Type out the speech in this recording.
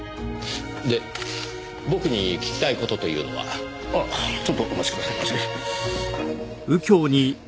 で僕に聞きたい事というのは？あっちょっとお待ちくださいませ。